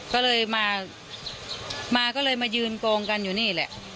ก็เลยมาก็เลยมายืนโกงกันอยู่นี่แหละ